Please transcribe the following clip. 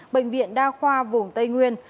bệnh viện đa khoa vùng tây nguyên